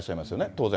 当然。